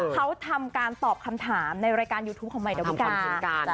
เขาทำการตอบคำถามในรายการยูทูปของใหม่ดาวิกาเหมือนกัน